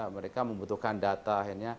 mereka membutuhkan data